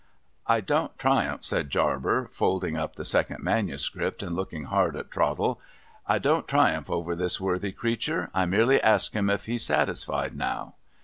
' I don't triumph,' said Jarber, folding up the second manuscript, and looking hard at Trottle. ' I don't triumph over this worthy creature. I merely ask him if he is satisfied now